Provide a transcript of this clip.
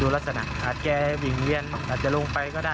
ดูลักษณะอาจแก่ให้หวิ่งเวียนอาจจะลงไปก็ได้